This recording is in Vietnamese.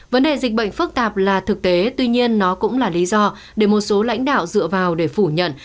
vấn đề dịch bệnh phức tạp là thực tế tuy nhiên nó cũng là lý do để một số lãnh đạo dựa vào để phủ nhận